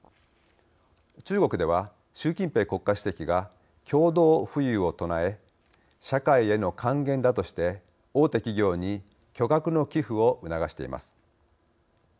中国では習近平国家主席が共同富裕を唱え社会への還元だとして大手企業に巨額の寄付を促しています。